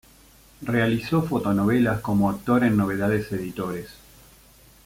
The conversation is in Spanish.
Realizó fotonovelas como actor en Novedades Editores.